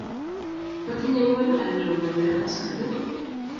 otinye iman ale roboni ra koskoleny